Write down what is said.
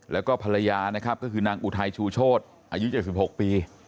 แล้วก็ภรรยานะครับก็คือนางอุทัยชูโชธอายุ๗๖ปี